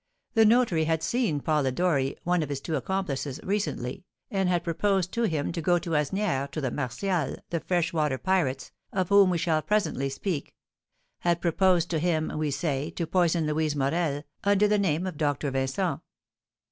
The notary had seen Polidori (one of his two accomplices) recently, and had proposed to him to go to Asnières, to the Martials, the fresh water pirates, of whom we shall presently speak, had proposed to him, we say, to poison Louise Morel, under the name of Doctor Vincent.